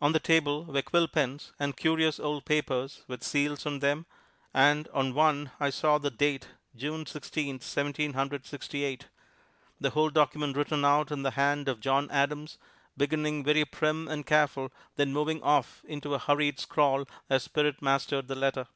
On the table were quill pens and curious old papers with seals on them, and on one I saw the date, June Sixteenth, Seventeen Hundred Sixty eight the whole document written out in the hand of John Adams, beginning very prim and careful, then moving off into a hurried scrawl as spirit mastered the letter.